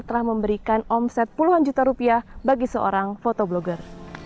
telah memberikan omset puluhan juta rupiah bagi seorang fotoblogger